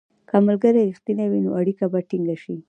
که ملګري رښتیني وي، نو اړیکه به ټینګه شي.